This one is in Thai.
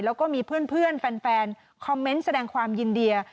แล้วก็มีเพื่อนแฟนคอมเมนต์แสดงความยินดี